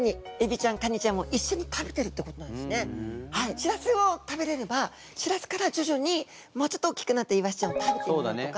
シラスを食べれればシラスからじょじょにもうちょっと大きくなったイワシちゃんを食べてみるとか。